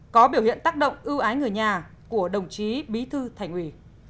có biểu hiện tác động ưu ái người nhà của đồng chí bí thư thành ủy